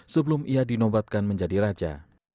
sebelum ia dinobatkan menjadi raja